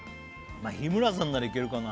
まあ日村さんならいけるかな